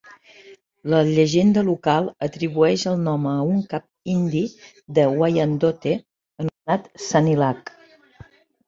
La llegenda local atribueix el nom a un cap indi de wyandotte anomenat Sanilac.